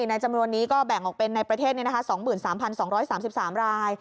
ในจำนวนนี้ก็แบ่งออกเป็นในประเทศ๒๓๒๓๓ราย